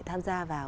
tham gia vào